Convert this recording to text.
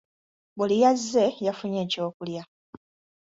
Buli yazze yafunye ekyokulya.